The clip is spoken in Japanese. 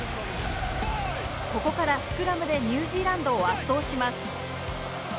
ここからスクラムでニュージーランドを圧倒します